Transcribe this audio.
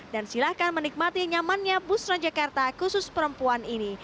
dan silakan menikmati nyamannya bus transjakarta khusus perempuan ini